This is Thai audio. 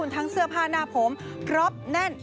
ทั้งเสื้อผ้าหน้าผมพร้อมแน่น